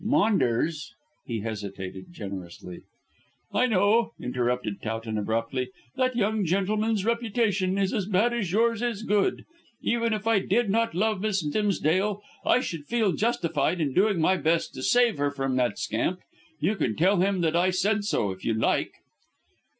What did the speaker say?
Maunders " He hesitated generously. "I know," interrupted Towton abruptly, "that young gentleman's reputation is as bad as yours is good. Even if I did not love Miss Dimsdale, I should feel justified in doing my best to save her from that scamp. You can tell him that I said so, if you like."